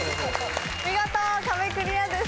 見事壁クリアです。